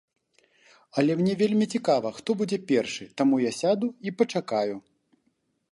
Але мне вельмі цікава, хто будзе першы, таму я сяду і пачакаю.